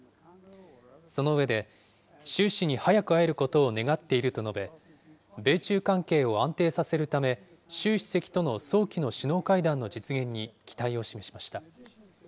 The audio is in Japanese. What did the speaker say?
その上で、習氏に早く会えることを願っていると述べ、米中関係を安定させるため、習主席との早期の首脳会談の実現に期待を示しました。